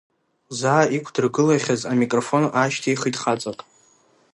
Заа иқәдыргылахьаз амикрофон аашьҭихит хаҵак.